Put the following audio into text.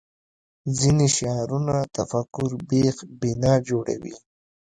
ځینې شعارونه تفکر بېخ بنا جوړوي